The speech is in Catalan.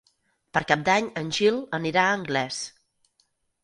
Per Cap d'Any en Gil anirà a Anglès.